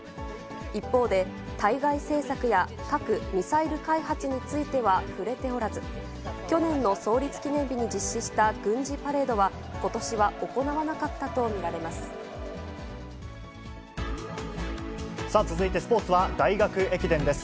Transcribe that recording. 一方で、対外政策や核・ミサイル開発については触れておらず、去年の創立記念日に実施した軍事パレードは、ことしは行わなかったと見られま続いてスポーツは大学駅伝です。